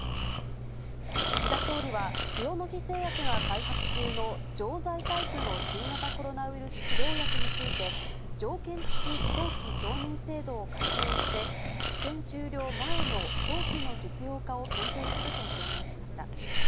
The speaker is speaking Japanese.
岸田総理は、塩野義製薬が開発中の錠剤タイプの新型コロナウイルス治療薬について、条件付き早期承認制度を活用して、治験終了前の早期の実用化を検討すると表明しました。